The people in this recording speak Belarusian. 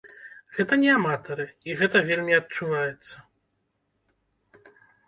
Гэта не аматары, і гэта вельмі адчуваецца.